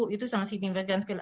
itu sangat signifikan sekali